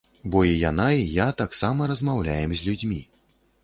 Бо і яна, і я таксама размаўляем з людзьмі.